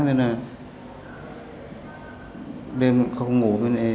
nên là đêm không ngủ